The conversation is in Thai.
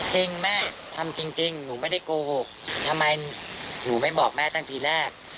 จริงแม่ทำจริงหนูไม่ได้โกหกทำไมหนูไม่บอกแม่ตั้งทีแรก